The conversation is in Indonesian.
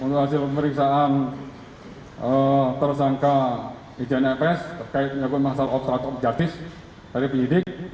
untuk hasil pemeriksaan tersangka ijnfs terkait penyakit masalah obstrakot jatis dari penyidik